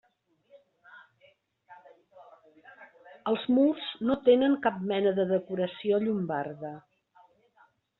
Els murs no tenen cap mena de decoració llombarda.